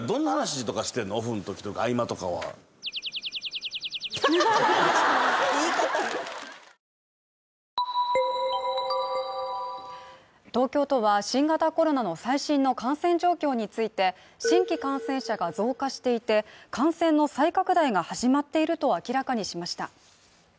オフん時とか合間とかは東京都は新型コロナの最新の感染状況について新規感染者が増加していて感染の再拡大が始まっていると明らかにしました。